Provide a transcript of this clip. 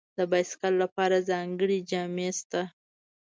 د بایسکل لپاره ځانګړي جامې شته.